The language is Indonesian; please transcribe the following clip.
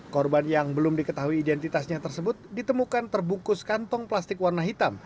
korban yang belum diketahui identitasnya tersebut ditemukan terbungkus kantong plastik warna hitam